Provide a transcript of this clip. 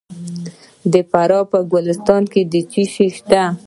د فراه په ګلستان کې څه شی شته؟